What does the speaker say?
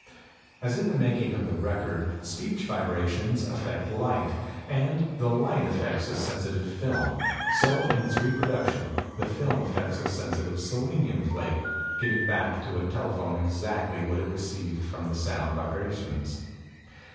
As in the making of the record speech vibrations affect light, and the light affects a sensitive film; so in its reproduction the film affects a sensitive selenium plate, giving back to a telephone exactly what it received from the sound vibrations.